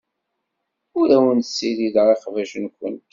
Ur awent-ssirideɣ iqbac-nwent.